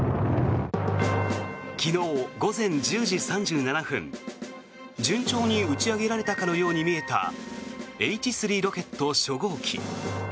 昨日午前１０時３７分順調に打ち上げられたかのように見えたＨ３ロケット初号機。